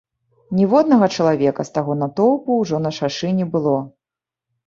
Ніводнага чалавека з таго натоўпу ўжо на шашы не было.